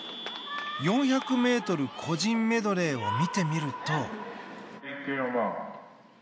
４００ｍ個人メドレーを見てみると。